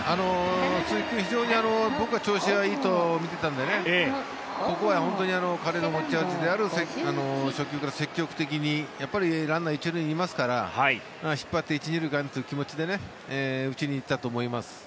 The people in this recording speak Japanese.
鈴木君僕は、調子がいいとみていたのでここは本当に彼の持ち味である初球から積極的にランナー１塁にいますから引っ張って１・２塁間という気持ちで打ちにいったと思います。